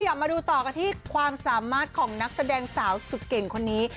มาดูต่อกันที่ความสามารถของนักแสดงสาวสุดเก่งคนนี้